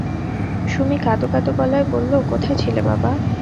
সুমী কাঁদো-কাদো গলায় বলল, কোথায় ছিলে বাবা?